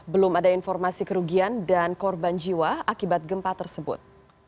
belum ada informasi kerugian dan korban jiwa akibat gempa tersebut